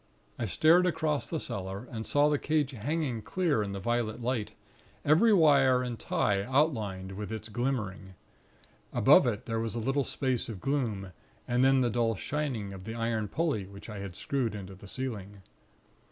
I stared across the cellar, and saw the cage hanging clear in the violet light, every wire and tie outlined with its glimmering; above it there was a little space of gloom, and then the dull shining of the iron pulley which I had screwed into the ceiling.